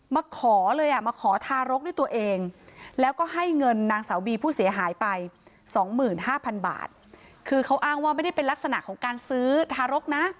ไปสองหมื่นห้าพันบาทคือเขาอ้างว่าไม่ได้เป็นลักษณะของการซื้อทารกนะ